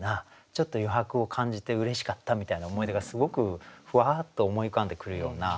ちょっと余白を感じてうれしかったみたいな思い出がすごくふわっと思い浮かんでくるような。